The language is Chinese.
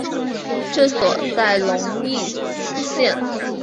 治所在荣懿县。